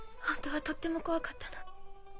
ホントはとっても怖かったの。